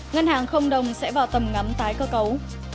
ngân hàng không đồng sẽ vào tầm ngắm tái cơ cấu